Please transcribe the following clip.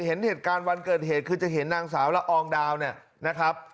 เห็นเหตุการณ์วันเกิดเหตุคือจะเห็นนางสาวละอองดาวเนี่ยนะครับ